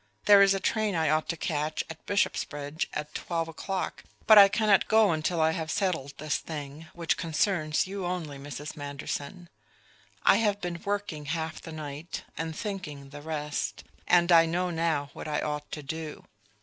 "There is a train I ought to catch at Bishopsbridge at twelve o'clock, but I cannot go until I have settled this thing, which concerns you only, Mrs. Manderson. I have been working half the night, and thinking the rest; and I know now what I ought to do."